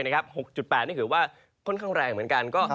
๖๘นี่ถือว่าค่อนข้างแรงเหมือนกัน